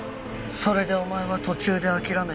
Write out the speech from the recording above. それでお前は途中で諦めて。